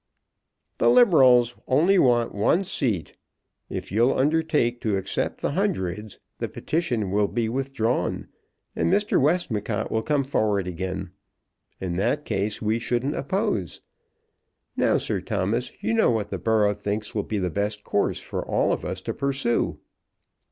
"The Liberals only want one seat. If you'll undertake to accept the Hundreds, the petition will be withdrawn, and Mr. Westmacott will come forward again. In that case we shouldn't oppose. Now, Sir Thomas, you know what the borough thinks will be the best course for all of us to pursue."